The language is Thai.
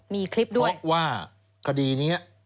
มีคลิปด้วยเพราะว่าคดีนี้